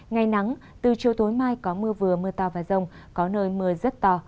ngày nắng từ chiều tối mai có mưa vừa mưa to và rông có nơi mưa rất to